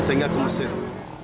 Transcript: sehingga ke mesin